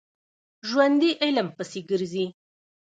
ژوندي علم پسې ګرځي